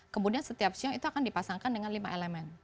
kemudian setiap sio itu akan dipasangkan dengan lima elemen